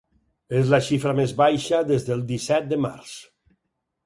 És la xifra més baixa des del disset de març.